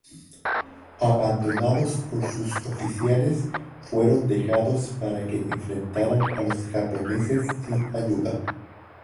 Abandonados por sus oficiales, fueron dejados para que enfrentaran a los japoneses sin ayuda.